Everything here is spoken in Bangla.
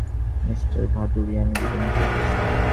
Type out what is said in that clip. মিস্টার ভাদুড়ি, আমি বিদায় নিতে এসেছি।